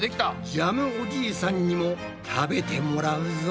ジャムおじいさんにも食べてもらうぞ。